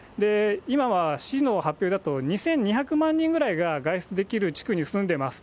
今は市の発表だと、２２００万人ぐらいが外出できる地区に住んでます。